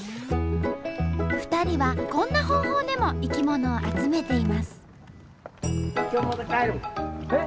２人はこんな方法でも生き物を集めています。